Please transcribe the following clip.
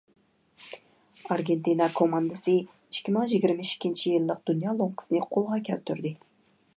ئارگېنتىنا كوماندىسى ئىككى مىڭ يىگىرمە ئىككىنچى يىللىق دۇنيا لوڭقىسىنى قولغا كەلتۈردى.